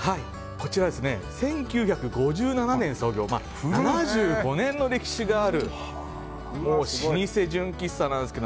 こちら１９５７年創業７５年の歴史がある老舗純喫茶ですが。